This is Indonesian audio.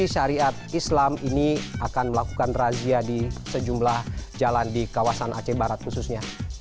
syariat islam ini akan melakukan razia di sejumlah jalan di kawasan aceh barat khususnya